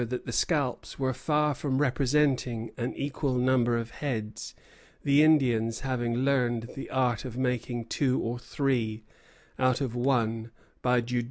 It was found, however, that the scalps were far from representing an equal number of heads, the Indians having learned the art of making two or three out of one by judicious division.